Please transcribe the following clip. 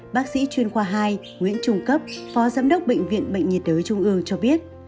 bác sĩ chuyên khoa hai nguyễn trung cấp phó giám đốc bệnh viện bệnh nhiệt đới trung ương cho biết